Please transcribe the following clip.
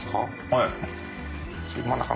はい。